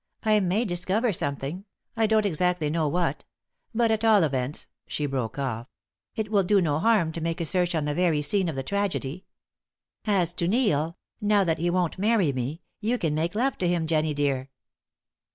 "I may discover something I don't exactly know what; but, at all events," she broke off, "it will do no harm to make a search on the very scene of the tragedy. As to Neil now that he won't marry me you can make love to him, Jennie dear!"